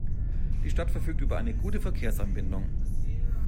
Die Stadt verfügt über eine gute Verkehrsanbindung.